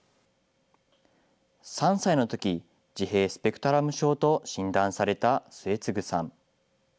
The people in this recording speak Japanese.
３歳のとき、自閉スペクトラム症と診断された末次さん。